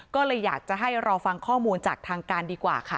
ก็เลยอยากจะให้รอฟังข้อมูลจากทางการดีกว่าค่ะ